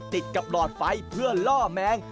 ติดกับหลอดไฟเพื่อล่อแมง